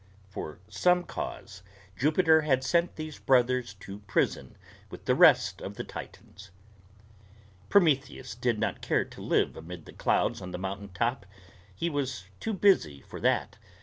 For some cause Jupiter had not sent these brothers to prison with the rest of the Titans. Prometheus did not care to live amid the clouds on the mountain top. He was too busy for that.